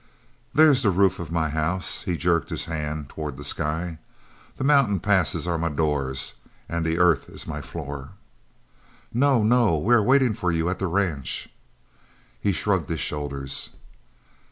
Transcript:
"There's the roof of my house," he jerked his hand towards the sky, "the mountain passes are my doors an' the earth is my floor." "No! no! We are waiting for you at the ranch." He shrugged his shoulders.